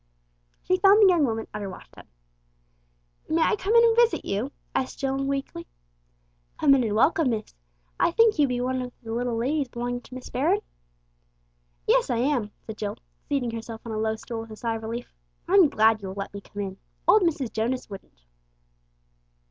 She found the young woman at her wash tub. "May I come in and visit you?" asked Jill meekly. "Come in and welcome, miss. I think you be one of the little ladies belongin' to Miss Baron?" "Yes, I am," said Jill, seating herself on a low stool with a sigh of relief. "I'm glad you will let me come in. Old Mrs. Jonas wouldn't!"